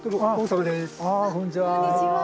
こんにちは。